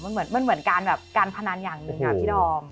มันเหมือนการพนันอย่างนี้ค่ะพี่ดอม